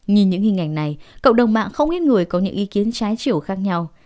nhìn những hình ảnh này cộng đồng mạng không ít người có những ý kiến trái chiều khác nhau